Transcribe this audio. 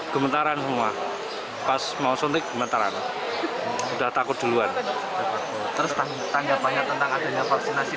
gemetaran semua pas mau suntik gemetaran udah takut duluan tanya tanya tentang adanya vaksinasi